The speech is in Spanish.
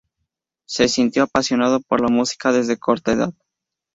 Se sintió apasionado por la música desde corta edad.